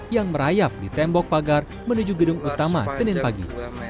yang merayap di tembok pagar menuju gedung utama senin pagi